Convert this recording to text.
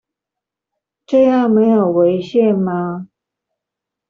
這樣沒有違憲嗎？